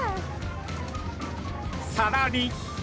さらに。